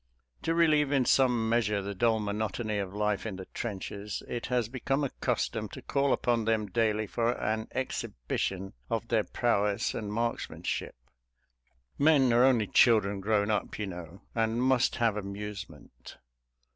To relieve in some measure the dull monotony of life in the trenches, it has become a custom to call upon them daily for an exhibition of their prowess and marksman ship. Men are only children grown up, you know, and must have amusement.